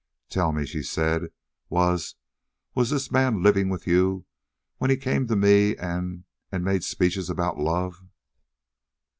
"Tell me," she said, "was was this man living with you when he came to me and and made speeches about love?"